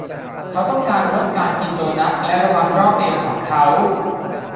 เขาต้องการลดการกินโดนัทและระวังรอบเอวของเขา